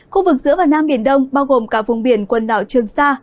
khu vực giữa và nam biển đông bao gồm cả vùng biển quần đảo trường sa